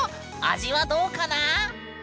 味はどうかな？